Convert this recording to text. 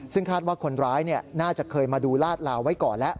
ซึ่งคาดว่าคนร้ายน่าจะเคยมาดูลาดลาวไว้ก่อนแล้ว